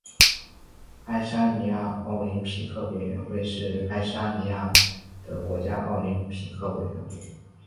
爱沙尼亚奥林匹克委员会是爱沙尼亚的国家奥林匹克委员会。